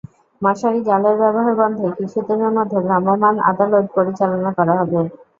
মশারি জালের ব্যবহার বন্ধে কিছুদিনের মধ্যে ভ্রাম্যমাণ আদালত পরিচালনা করা হবে।